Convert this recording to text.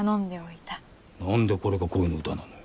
何でこれが恋の歌なのよ。